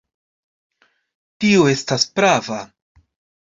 Tio estas prava.